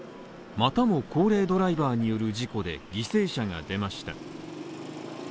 またも高齢ドライバーによる事故で、犠牲者が出ました。